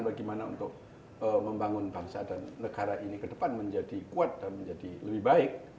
bagaimana untuk membangun bangsa dan negara ini ke depan menjadi kuat dan menjadi lebih baik